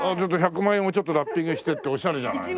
１００万円をちょっとラッピングしてってオシャレじゃないの。